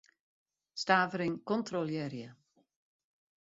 Stavering kontrolearje.